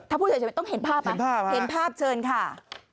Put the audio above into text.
ถ้าพูดเฉยต้องเห็นภาพเชิญค่ะ